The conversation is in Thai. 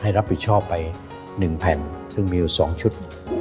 รับผิดชอบไป๑แผ่นซึ่งมีอยู่๒ชุด